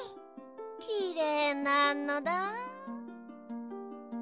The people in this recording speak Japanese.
きれいなのだ。